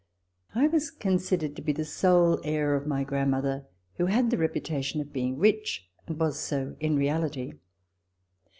I was considered to be the sole heir of my grand mother, who had the reputation of being rich, and was so in reality.